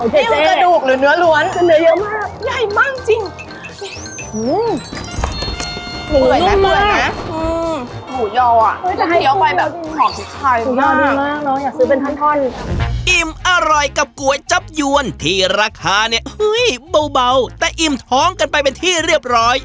เหนือเนื้อไปเนื้อไปอีอิ่มอร่อยกับกลัวยจับหย่วนที่ราคาเนี่ยเบาแต่อิ่มท้องกันไปเป็นที่เรียบร้อย